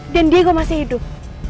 dan diego masih hidup